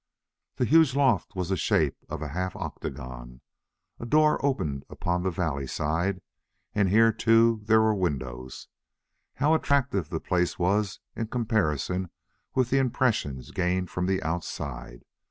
The huge loft was the shape of a half octagon. A door opened upon the valley side, and here, too, there were windows. How attractive the place was in comparison with the impressions gained from the outside!